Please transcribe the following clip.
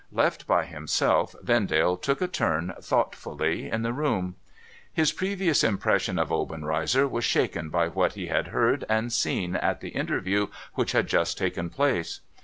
Left by himself, Vendale took a turn thoughtfully in the room. His previous impression of Obenreizer was shaken by what he had heard and seen at the interview which had just taken place.